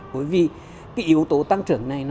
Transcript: bởi vì yếu tố tăng trưởng này